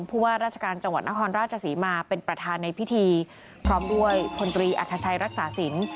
ผู้ว่าราชการจังหวัดนครราชศรีมาเป็นประธานในพิธีพร้อมด้วยพลตรีอัธชัยรักษาสิน